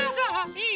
いい？